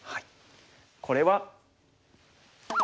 これは。